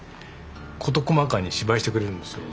事細かに芝居してくれるんですよ。